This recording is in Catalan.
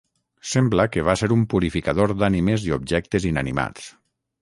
Sembla que va ser un purificador d'ànimes i objectes inanimats.